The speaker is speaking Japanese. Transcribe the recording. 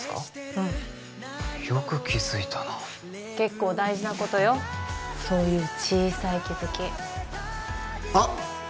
うんよく気づいたな結構大事なことよそういう小さい気づきあっ！